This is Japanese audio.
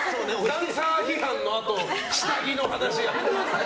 ダンサー批判のあと下着の話やめてください。